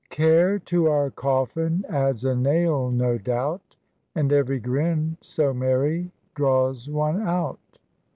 "Care to our coffin adds a nail no doubt. And every grin, so merry, draws one out."